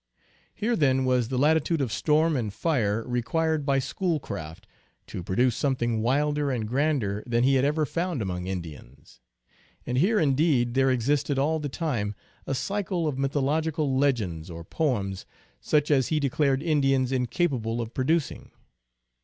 Here then was the latitude of storm and fire required by Schoolcraft to produce something wilder and grander than he had ever found among Indians. And here indeed there existed all the time a cycle of mytho logical legends or poems such as he declared Indians incapable of producing.